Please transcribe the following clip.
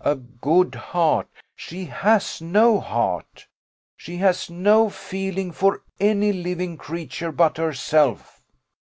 A good heart! she has no heart! she has no feeling for any living creature but herself.